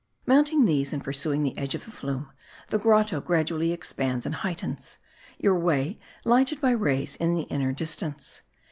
Mounting these, and pursuing the edge of the flume, the grotto gradu ally expands and heightens ; your way lighted by rays in the inner distance.